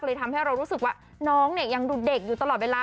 ทำให้เรารู้สึกว่าน้องเนี่ยยังดูเด็กอยู่ตลอดเวลา